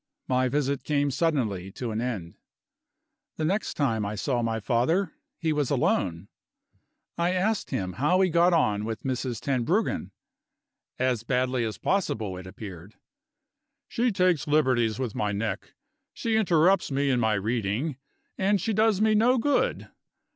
My visit came suddenly to an end. The next time I saw my father, he was alone. I asked him how he got on with Mrs. Tenbruggen. As badly as possible, it appeared. "She takes liberties with my neck; she interrupts me in my reading; and she does me no good.